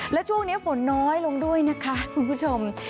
แล้วช่วงนี้ฝนน้อยลงด้วยนะคะคุณผู้ชม